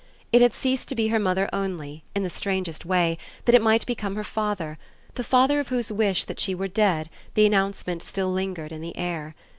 It had ceased to be her mother only, in the strangest way, that it might become her father, the father of whose wish that she were dead the announcement still lingered in the air.